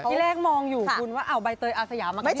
พี่แรกมองอยู่คุณว่าเอาใบเตยอาสยามากับพี่เตย